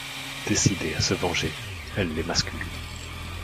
Décidée à se venger, elle l'émascule.